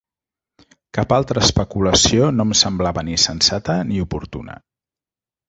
Cap altra especulació no em semblava ni sensata ni oportuna.